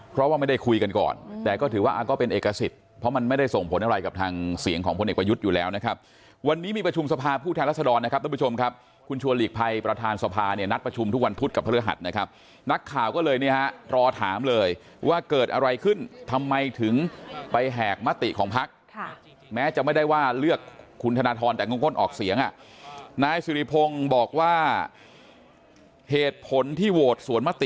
เพราะว่าไม่ได้คุยกันก่อนแต่ก็ถือว่าอ้าก็เป็นเอกสิทธิ์เพราะมันไม่ได้ส่งผลอะไรกับทางเสียงของคนเอกประยุทธอยู่แล้วนะครับวันนี้มีประชุมสภาพผู้แทนรัฐศดรนะครับท่านผู้ชมครับคุณชัวร์หลีกภัยประธานสภาเนี่ยนัด